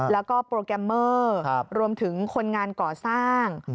แล้วก็โปรแกรมเมอร์รวมถึงคนงานก่อสร้าง